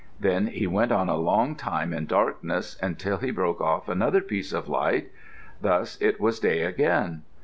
Then he went on a long time in darkness, until he broke off another piece of light. Thus it was day again.